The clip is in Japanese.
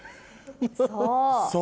そう。